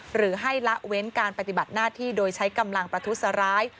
หรือให้ละเว้นการปฏิบัติหน้าที่โดยใช้กำลังประทุษร้าย